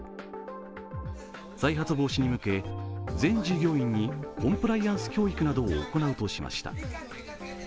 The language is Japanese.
再発防止に向け、全従業員にコンプライアンス教育などを行うとしました。